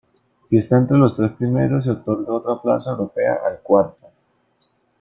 Si está entre los tres primeros, se otorga otra plaza europea al cuarto.